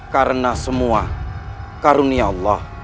karena semua karunia allah